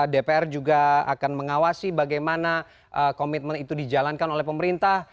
dpr juga akan mengawasi bagaimana komitmen itu dijalankan oleh pemerintah